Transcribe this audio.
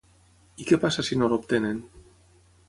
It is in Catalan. I què passa si no l'obtenen?